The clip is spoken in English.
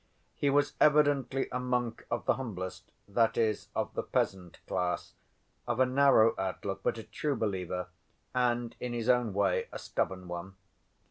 He was evidently a monk of the humblest, that is of the peasant, class, of a narrow outlook, but a true believer, and, in his own way, a stubborn one.